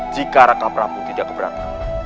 jika raka prabu tidak keberatan